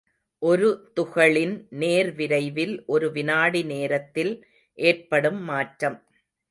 ஒரு துகளின் நேர்விரைவில் ஒரு வினாடி நேரத்தில் ஏற்படும் மாற்றம்.